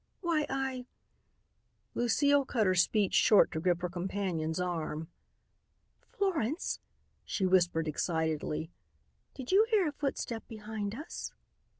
"Why I " Lucile cut her speech short to grip her companion's arm. "Florence," she whispered excitedly, "did you hear a footstep behind us?"